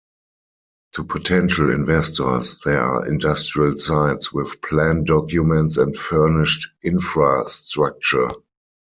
To potential investors there are industrial sites, with plan documents and furnished infrastructure.